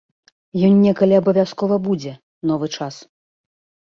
Ён некалі абавязкова будзе, новы час.